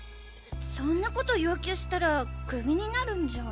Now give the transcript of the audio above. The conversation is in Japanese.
そんなことを要求したらクビになるんじゃ。